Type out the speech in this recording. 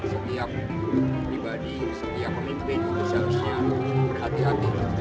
setiap pribadi setiap pemimpin harusnya hati hati